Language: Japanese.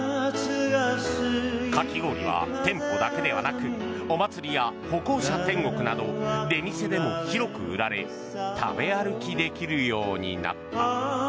かき氷は店舗だけではなくお祭りや歩行者天国など出店でも広く売られ食べ歩きできるようになった。